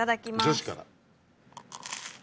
女子から。